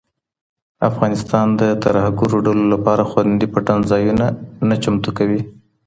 افغانستان د ترهګرو ډلو لپاره خوندي پټنځایونه نه چمتو کوي.